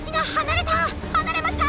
離れました！